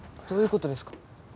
どういう事ですか？